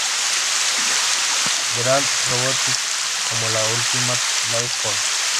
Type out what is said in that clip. Gerald Robotnik como la "Ultimate Life Form".